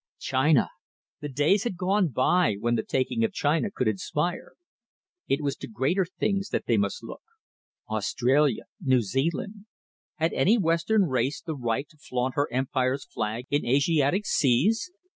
China! The days had gone by when the taking of China could inspire. It was to greater things they must look. Australia. New Zealand! Had any Western race the right to flaunt her Empire's flag in Asiatic seas?